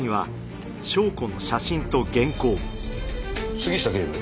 杉下警部